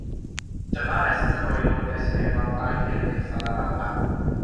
Dyma restr o Aelodau Seneddol Plaid Genedlaethol yr Alban.